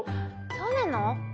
そうなの？